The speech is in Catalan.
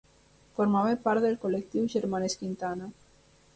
Formava part del col·lectiu Germanes Quintana.